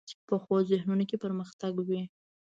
پخو ذهنونو کې پرمختګ وي